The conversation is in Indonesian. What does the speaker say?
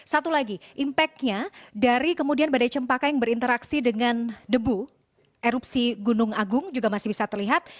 satu lagi impactnya dari kemudian badai cempaka yang berinteraksi dengan debu erupsi gunung agung juga masih bisa terlihat